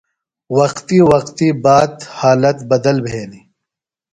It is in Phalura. وقتی وقتی بات حالت بدل بھینیۡ۔